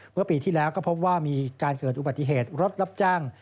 เมื่อปีที่แล้วก็พบว่ามีการเกิดอุบัติเหตุรถรับจ้าง